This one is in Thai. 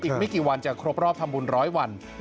อีกไม่กี่วันจะครบรอบทำบุญร้อยวัน